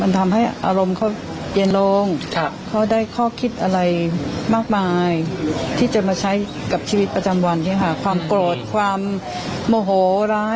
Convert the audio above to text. อ่ะไปฟังเสียงแม่ฮะ